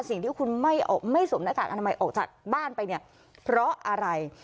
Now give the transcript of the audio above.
สิ่งที่คุณไม่สวมหน้ากากอนามัยออกจากบ้านไปเนี่ยเพราะอะไร